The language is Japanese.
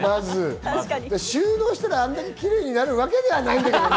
収納したらあんなにきれいになるわけではないんだけどね。